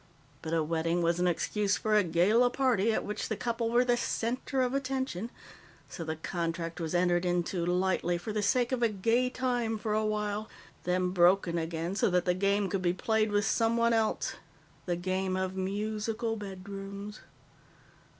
But a wedding was an excuse for a gala party at which the couple were the center of attention. So the contract was entered into lightly for the sake of a gay time for a while, then broken again so that the game could be played with someone else the game of Musical Bedrooms."